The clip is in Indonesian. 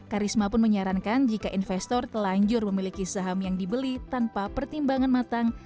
karisma pun menyarankan jika investor telanjur memiliki saham yang dibeli tanpa pertimbangan matang